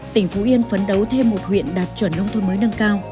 tỉnh phú yên phấn đấu thêm một huyện đạt chuẩn nông thôn mới nâng cao